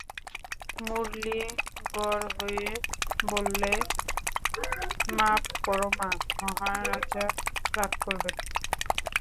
মুরলী গড় হয়ে বললে, মাপ করো মা, মহারাজা রাগ করবেন।